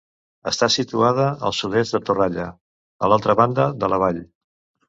Està situada al sud-est de Toralla, a l'altra banda de la vall.